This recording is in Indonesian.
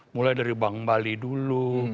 mulai dari bank bali dulu